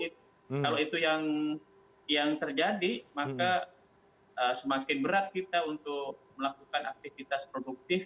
kalau itu yang terjadi maka semakin berat kita untuk melakukan aktivitas produktif